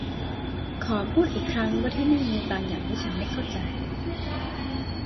ขอพูดอีกครั้งว่าที่นี่มีบางอย่างที่ฉันไม่เข้าใจ